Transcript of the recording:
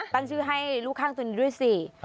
ตั้งชื่อให้ลูกข้างตัวนี้ด้วยสิ